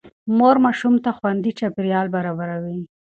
مور ماشوم ته خوندي چاپېريال برابروي.